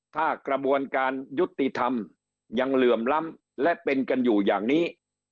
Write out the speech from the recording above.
ถ้ากระบวนการยุติธรรมยังเหลื่อมล้ำและเป็นกันอยู่อย่างนี้